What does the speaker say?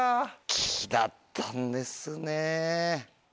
木だったんですね。